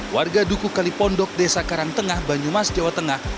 warga duku kalipondok desa karangtengah banyumas jawa tengah